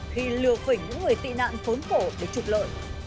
khi lừa phỉnh những người tị nạn phốn khổ để trục lợi